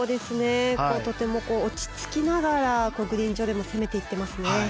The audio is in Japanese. とても落ち着きながらグリーン上でも攻めていっています。